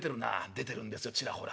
「出てるんですよちらほら」。